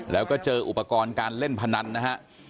ที่เจออุปกรณ์การเล่นพนันนะครับ